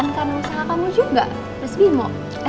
kan karena usaha kamu juga terus bimo